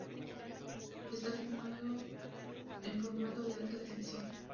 Está filmado en formato de Alta definición.